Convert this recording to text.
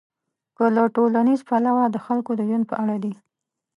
که له ټولنیز پلوه د خلکو د ژوند په اړه دي.